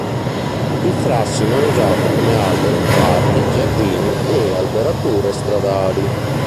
Il frassino è usato come albero in parchi, giardini e alberature stradali.